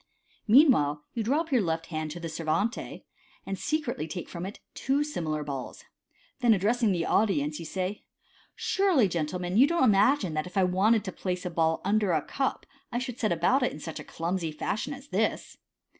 Meanwhile, you drop your left hand to the ser vante, and Sv cretly take from it two similar balls. Then, addressing the audience, you say, u Surely, gentlemen, you don't imagine that, if I wanted to place a ball under a cup, I should set about it after such a clumsy fashion as this